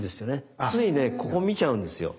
ついねここ見ちゃうんですよ。